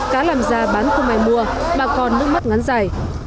cá làm ra bán không ai mua mà còn nước mắt ngắn dài